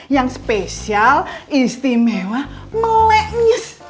yang spesial istimewa melenyes